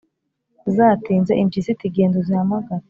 zatinze.» impyisi iti «genda uzihamagare,